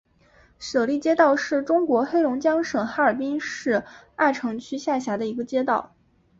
舍利街道是中国黑龙江省哈尔滨市阿城区下辖的一个街道。